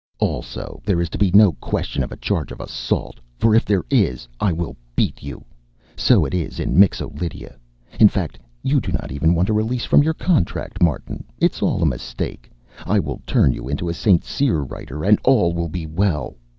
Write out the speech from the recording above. "Also, there is to be no question of a charge of assault, for, if there is I will beat you. So it is in Mixo Lydia. In fact, you do not even want a release from your contract, Martin. It is all a mistake. I will turn you into a St. Cyr writer, and all will be well.